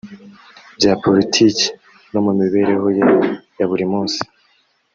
bya politiki no mu mibereho ye ya buri munsi